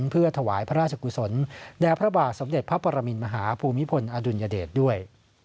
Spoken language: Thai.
เพื่อถวายพระราชกุศลแด่พระบาทสมเด็จพระปรมินมหาภูมิพลอดุลยเดชด้วย